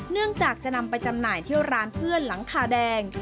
เนื่องจากจะนำไปจำหน่ายเที่ยวร้านเพื่อนหลังคาแดง